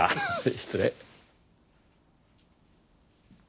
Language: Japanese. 失礼。